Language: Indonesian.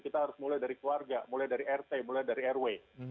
kita harus mulai dari keluarga mulai dari rt mulai dari rw